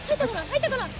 入ったかな？